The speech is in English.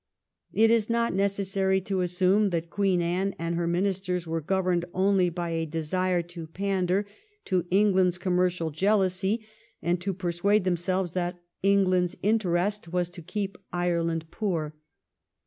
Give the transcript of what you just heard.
It is not necessary to assume that Queen Anne and her Ministers were governed only by a desire to pander to England's commercial jealousy, and to persuade themselves that England's interest was to keep Ireland poor.